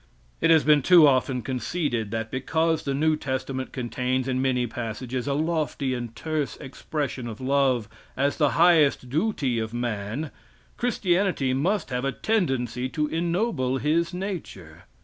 It has been too often conceded that because the new testament contains, in many passages, a lofty and terse expression of love as the highest duty of man, Christianity must have a tendency to ennoble his nature.